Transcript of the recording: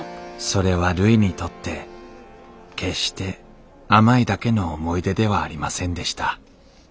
それはるいにとって決して甘いだけの思い出ではありませんでした